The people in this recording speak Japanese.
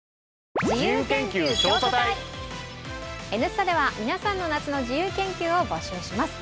「Ｎスタ」では皆さんの夏の自由研究を募集します。